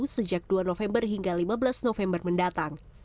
sejak dua november hingga lima belas november mendatang